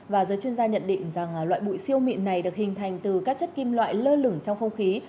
và giới chuyên gia nhận định rằng loại bụi siêu mịn này được hình thành từ các chất kim loại lơ lửng trong không khí